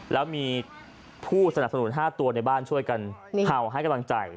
แล้วมีผู้สนับสนุน๕ตัวในบ้านช่วยกันเห่าให้กำลังใจ